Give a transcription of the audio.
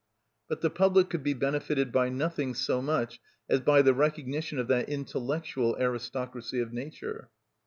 But the public could be benefited by nothing so much as by the recognition of that intellectual aristocracy of nature.